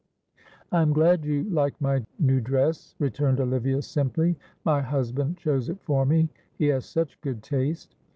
"I am glad you like my new dress," returned Olivia, simply. "My husband chose it for me, he has such good taste."